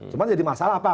cuma jadi masalah apa